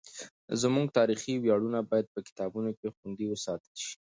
زموږ تاریخي ویاړونه باید په کتابونو کې خوندي وساتل سي.